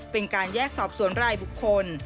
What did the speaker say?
เป็นการแยกสอบสวนรายบุคคล